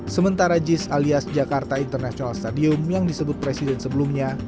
sementara jis alias jakarta international stadium yang disebut presiden sebelumnya